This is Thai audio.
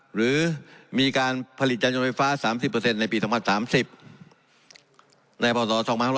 หรือมีการผลิตยันต์ยนต์ไฟฟ้า๓๐เปอร์เซ็นต์ในปีสมัคร๓๐ในพศ๒๗๓